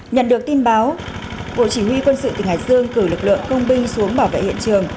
nhận được tin báo bộ chỉ huy quân sự tỉnh hải dương cử lực lượng công binh xuống bảo vệ hiện trường